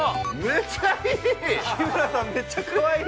めっちゃかわいい！